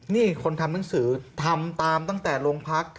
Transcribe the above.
นี่คนทำหนังสือทำตามตั้งแต่โรงพัก